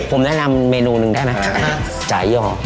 ผมแนะนำเมนูหนึ่งได้ไหมอืมฮะจ่ายยหออ่า